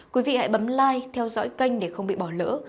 quý vị hãy bấm lai theo dõi kênh để không bị bỏ lỡ